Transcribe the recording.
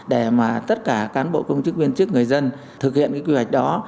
để mà tất cả cán bộ công chức viên chức người dân thực hiện cái quy hoạch đó